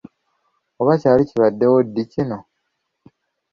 Oba kyali kibaddewo ddi kino!